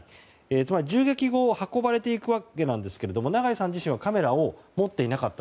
つまり銃撃後運ばれていくわけですが長井さん自身はカメラを持っていなかった。